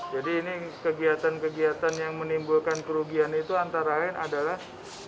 jadi ini kegiatan kegiatan yang menimbulkan kerugian itu antara lain adalah